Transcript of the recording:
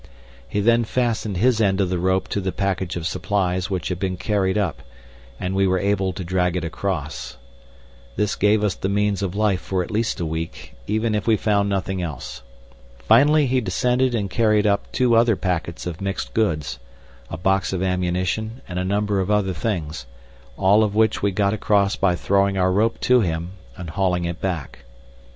He then fastened his end of the rope to the package of supplies which had been carried up, and we were able to drag it across. This gave us the means of life for at least a week, even if we found nothing else. Finally he descended and carried up two other packets of mixed goods a box of ammunition and a number of other things, all of which we got across by throwing our rope to him and hauling it back.